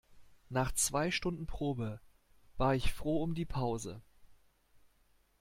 Nach zwei Stunden Probe, war ich froh um die Pause.